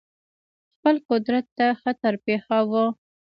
خپل قدرت ته خطر پېښاوه.